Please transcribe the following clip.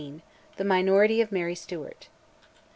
THE MINORITY OF MARY STUART.